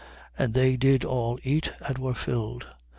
9:17. And they did all eat and were filled.